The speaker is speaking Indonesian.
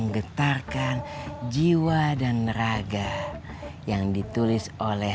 getarkan jiwa dan raga yang ditulis oleh